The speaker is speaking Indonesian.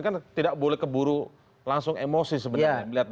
kan tidak boleh keburu langsung emosi sebenarnya